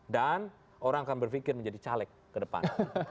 dan orang akan berpikir menjadi caleg ke depan